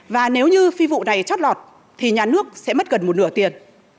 và nếu như phi vụ này chót lọt thì nhà nước sẽ mất gần một nửa tiền